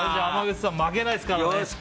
負けないですからね！